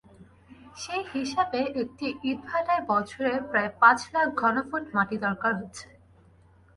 সেই হিসাবে একটি ইটভাটায় বছরে প্রায় পাঁচ লাখ ঘনফুট মাটি দরকার হচ্ছে।